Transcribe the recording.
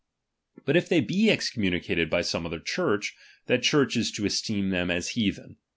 But if they be excommunicated by some other Church, that Church is to esteem them as heathen.